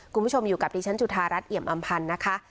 คุณผู้ชมอยู่กับดิฉันจุธารัฐเอี่ยมอำพันธ์นะคะ